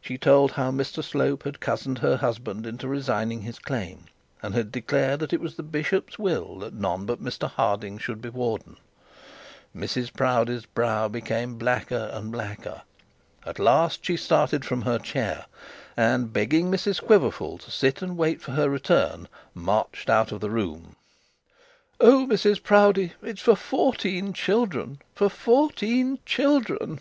She told how Mr Slope had cozened her husband into resigning his claim, and had declared that it was the bishop's will that none but Mr Harding should be warden. Mrs Proudie's brow became blacker and blacker. At last she started from her chair, and begging Mrs Quiverful to sit and wait for her return, marched out of the room. 'Oh, Mrs Proudie, it's for fourteen children for fourteen children.'